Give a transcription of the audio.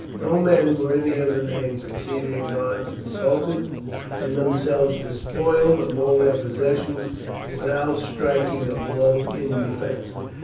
No men worthy of the name could see their gods insulted and themselves despoiled of all they possess without striking a blow in defence."